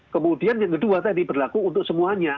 kemudian yang kedua tadi berlaku untuk semuanya